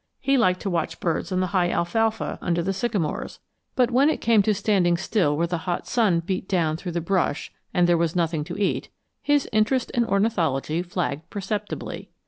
He liked to watch birds in the high alfalfa under the sycamores, but when it came to standing still where the hot sun beat down through the brush and there was nothing to eat, his interest in ornithology flagged perceptibly.